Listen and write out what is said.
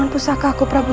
tapi saya merasa lebih